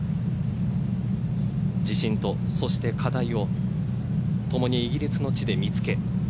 自信とそして課題をともにイギリスの地で見つけ